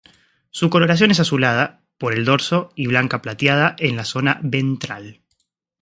Su coloración es azulada por el dorso y blanca plateada en la zona ventral.